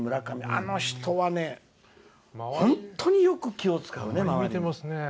あの人は本当によく気を遣うね。